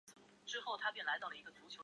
出任陕西承宣布政使司泾阳县知县。